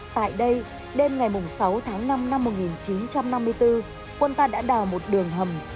tại đây đêm ngày sáu tháng năm năm một nghìn chín trăm năm mươi bốn quân ta đã đào một đường hầm